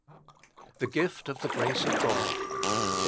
1. The gift of the grace of God (Eph.